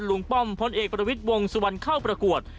ป้อมพลเอกประวิทย์วงสุวรรณเข้าประกวด